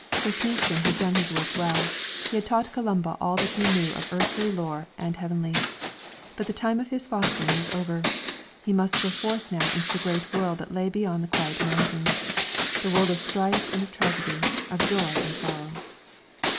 Cruithnechan had done his work well; he had taught Columba all that he knew of earthly lore and of heavenly; but the time of his fostering was over. He must go forth now into the great world that lay beyond the quiet mountains, the world of strife and of tragedy, of joy and of sorrow.